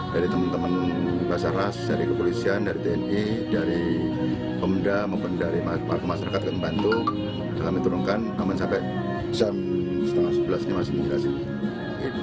dari teman teman basarnas dari kepolisian dari tni dari pemuda dari masyarakat yang membantu kita sudah menurunkan sampai jam sebelas tiga puluh ini masih menghasilkan